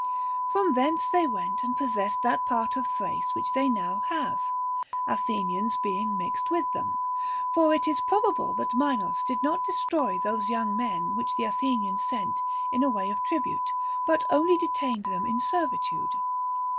From thence they went and pos sessed that part of Thrace which now they have, Athe nians being mixed with them ; for it is probable that Minos did not destroy those young men which the Athenians sent in a way of tribute, but only detained them in servitude.